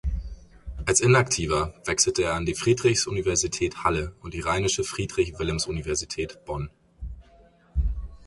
Als Inaktiver wechselte er an die Friedrichs-Universität Halle und die Rheinische Friedrich-Wilhelms-Universität Bonn.